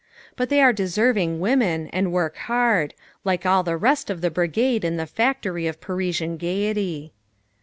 But they are deserving women, and work hard like all the rest of the brigade in the factory of Parisian gaiety.